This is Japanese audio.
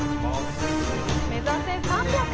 目指せ３００。